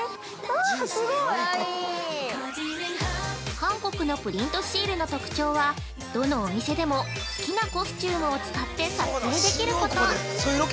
◆韓国のプリントシールの特徴はどのお店でも好きなコスチュームを使って撮影できること。